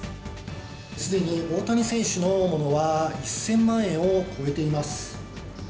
すでに大谷選手のものは１０００万円を超えています。